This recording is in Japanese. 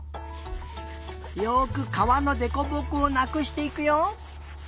よくかわのでこぼこをなくしていくよ。